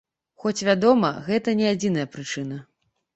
Хоць, вядома, гэта не адзіная прычына.